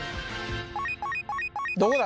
どこだ？